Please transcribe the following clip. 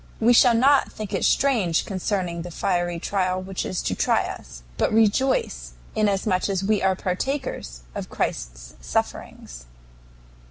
We shall not think it strange concerning the fiery trial which is to try us, but rejoice inasmuch as we are partakers of Christ's sufferings.